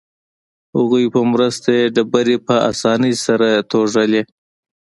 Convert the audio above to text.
هغوی په مرسته یې ډبرې په اسانۍ سره توږلې.